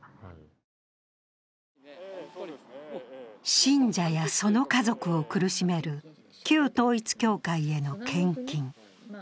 信者やその家族を苦しめる旧統一教会への献金。